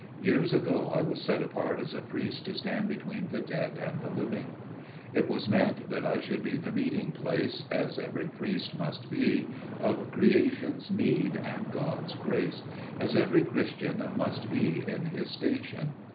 Years ago I was set apart as a priest to stand between the dead and the living. It was meant that I should be the meeting place, as every priest must be, of creation's need and God's grace––as every Christian must be in his station.